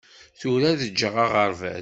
Tura ad ǧǧeɣ aɣerbaz